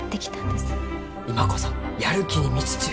今こそやる気に満ちちゅう！